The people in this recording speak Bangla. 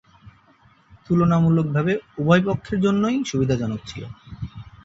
তুলনামূলকভাবে উভয়পক্ষের জন্যেই সুবিধাজনক ছিল।